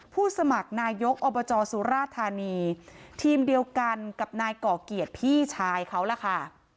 สมัครนายกอบจสุราธานีทีมเดียวกันกับนายก่อเกียรติพี่ชายเขาล่ะค่ะ